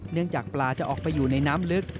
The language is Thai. จากปลาจะออกไปอยู่ในน้ำลึก